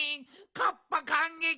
カッパかんげき！